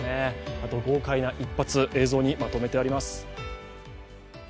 あと豪快な一発、映像にまとめてあります。